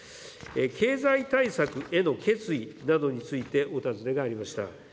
経済対策への決意などについてお尋ねがありました。